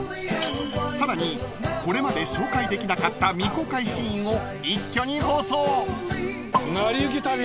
［さらにこれまで紹介できなかった未公開シーンを一挙に放送］